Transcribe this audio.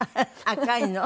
赤いの？